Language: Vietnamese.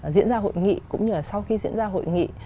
diễn ra hội nghị cũng như là sau khi diễn ra hội nghị